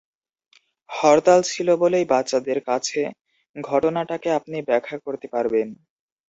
হরতাল ছিল বলেই বাচ্চাদের কাছে ঘটনাটাকে আপনি ব্যাখ্যা করতে পারবেন।